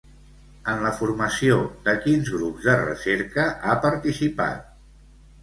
En la formació de quins grups de recerca ha participat?